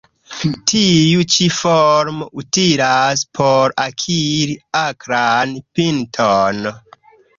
Tiu ĉi formo utilas por akiri akran pinton.